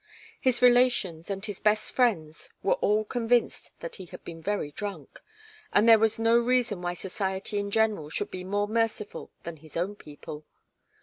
His relations and his best friends were all convinced that he had been very drunk, and there was no reason why society in general should be more merciful than his own people.